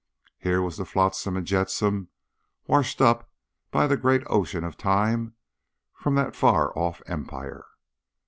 Here was the flotsam and jetsam washed up by the great ocean of time from that far off empire.